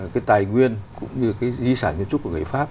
cái tài nguyên cũng như cái di sản kiến trúc của người pháp